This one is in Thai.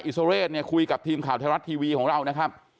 สเรศเนี่ยคุยกับทีมข่าวไทยรัฐทีวีของเรานะครับ